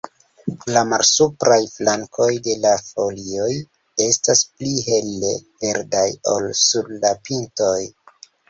La malsupraj flankoj de la folioj estas pli hele verdaj ol sur la pintoj.